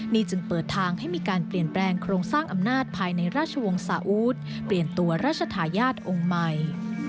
นี่จึงเปิดทางให้มีการเปลี่ยนแปลงโครงสร้างอำนาจภายในราชวงศ์สาอูทเปลี่ยนตัวราชทายาทองค์ใหม่